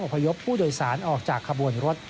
พยพผู้โดยสารออกจากขบวนรถ